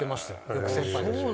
よく先輩たちは。